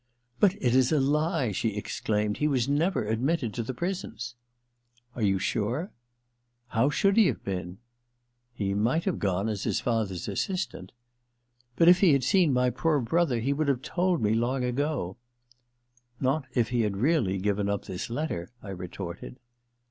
* But it is a lie !' she exclaimed. * He was never admitted to the prisons.' * Are you sure ?'* How should he have been ?'* He might have gone as his father's assistant.' * But if he had seen my poor brother he would have told me long ago.' * Not if he had really given up this letter,' I retorted.